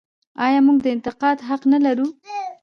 آیا موږ د انتقاد حق نلرو؟